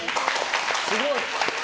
すごい。